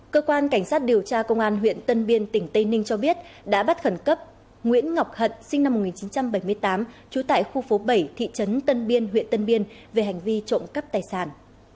cơ quan cảnh sát điều tra công an huyện tân biên tỉnh tây ninh cho biết đã bắt khẩn cấp nguyễn ngọc hận sinh năm một nghìn chín trăm bảy mươi tám trú tại khu phố bảy thị trấn tân biên huyện tân biên về hành vi trộm cắp tài sản